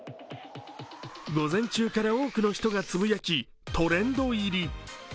午前中から多くの人がつぶやき、トレンド入り。